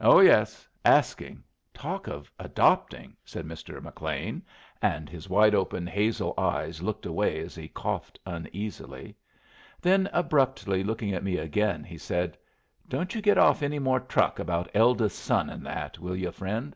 "Oh yes; asking! Talk of adopting " said Mr. McLean, and his wide open, hazel eyes looked away as he coughed uneasily. Then abruptly looking at me again, he said: "Don't you get off any more truck about eldest son and that, will yu', friend?